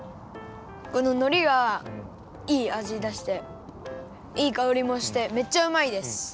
こののりがいいあじだしていいかおりもしてめっちゃうまいです。